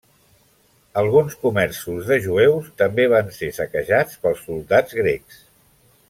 Alguns comerços de jueus també van ser saquejades pels soldats grecs.